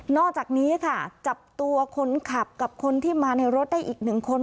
อกจากนี้ค่ะจับตัวคนขับกับคนที่มาในรถได้อีกหนึ่งคน